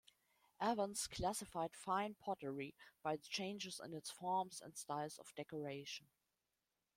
Evans classified fine pottery by the changes in its forms and styles of decoration.